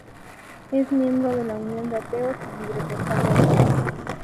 Es miembro de la Unión de Ateos y Librepensadores.